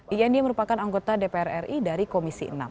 iynd merupakan anggota dpr ri dari komisi enam